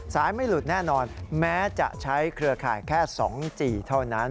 ไม่หลุดแน่นอนแม้จะใช้เครือข่ายแค่๒จี่เท่านั้น